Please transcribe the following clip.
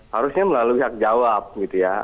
harusnya melalui hak jawab gitu ya